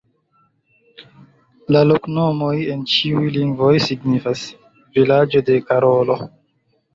La loknomoj en ĉiuj lingvoj signifas: "Vilaĝo de Karolo".